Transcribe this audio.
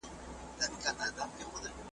کتاب یعني نور تاسو راته ولیکئ